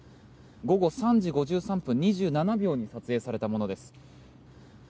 午後３時５３分２７秒に撮影されたものです。